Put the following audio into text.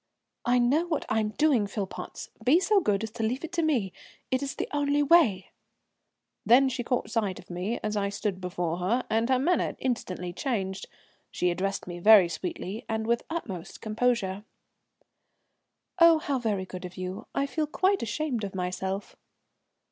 "I know what I am doing, Philpotts. Be so good as to leave it to me. It is the only way." Then she caught sight of me as I stood before her, and her manner instantly changed. She addressed me very sweetly and with the utmost composure. "Oh, how very good of you, I feel quite ashamed of myself."